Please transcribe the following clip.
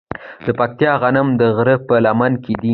د پکتیا غنم د غره په لمن کې دي.